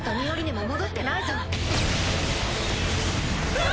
うわ！